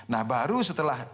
nah baru setelah